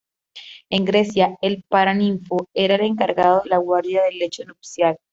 En Grecia el paraninfo era el encargado de la guardia del lecho nupcial.